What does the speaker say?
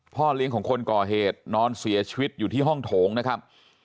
เลี้ยงของคนก่อเหตุนอนเสียชีวิตอยู่ที่ห้องโถงนะครับ